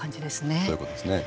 そういうことですね。